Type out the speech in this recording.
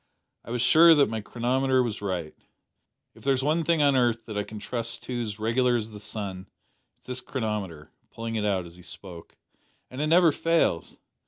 I was sure that my chronometer was right. If there's one thing on earth that I can trust to as reg'lar as the sun, it is this chronometer (pulling it out as he spoke), and it never fails.